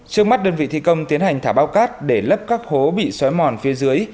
trước mắt đơn vị thi công tiến hành thả bao cát để lấp các hố bị xói mòn phía dưới